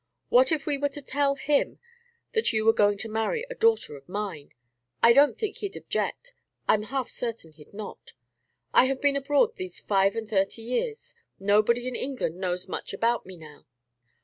What if we were to tell him that you were going to marry a daughter of mine? I don't think he'd object. I 'm half certain he 'd not. I have been abroad these five and thirty years. Nobody in England knows much about me now.